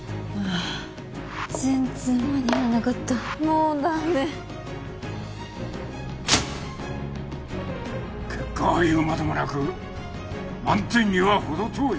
全然間に合わなかったもうダメ結果は言うまでもなく満点にはほど遠い